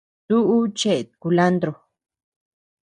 Tuʼu cheʼet kulantro.